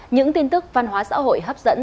những tin tức văn hóa xã hội hấp dẫn